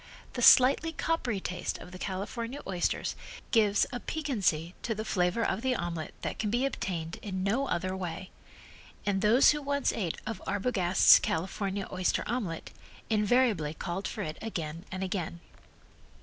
The slightly coppery taste of the California oysters gives a piquancy to the flavor of the omelet that can be obtained in no other way, and those who once ate of Arbogast's California oyster omelet, invariably called for it again and again.